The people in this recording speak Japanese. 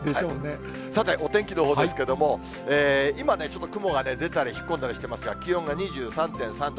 さて、お天気のほうですけれども、今、ちょっと雲が出たり引っ込んだりしてますが、気温が２３．３度。